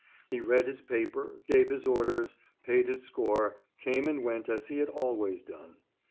He read his paper, gave his orders, paid his score, came and went as he had always done.